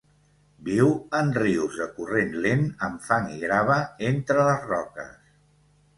Viu en rius de corrent lent amb fang i grava entre les roques.